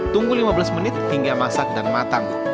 tunggu lima belas menit hingga masak dan matang